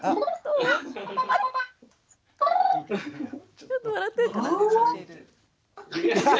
ちょっと笑ってるかな。